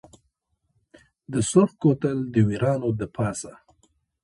د سرخ کوتل دویرانو دپاسه